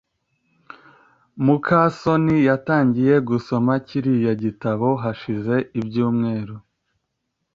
muka soni yatangiye gusoma kiriya gitabo hashize ibyumweru